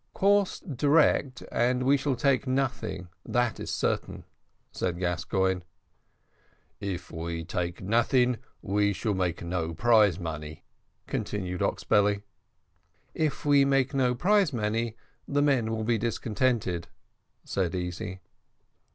"Course direct, and we shall take nothing, that is certain," said Gascoigne. "If we take nothing we shall make no prize money," continued Oxbelly. "If we make no prize money the men will be discontented," said Easy.